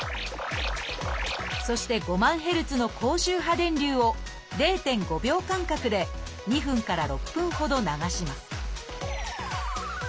そして５万ヘルツの高周波電流を０．５秒間隔で２分から６分ほど流します